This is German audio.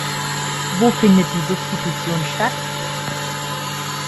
Wo findet die Substitution statt?